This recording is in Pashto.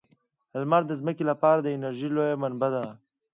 لمر د ځمکې لپاره د انرژۍ لویه منبع ده.